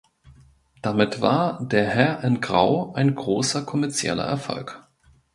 Damit war "Der Herr in Grau" ein großer kommerzieller Erfolg.